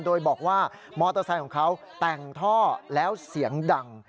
โดยบอกว่ามอเตอร์ไซค์ของเขาแต่งท่อแล้วเสียงดัง